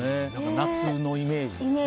夏のイメージでね。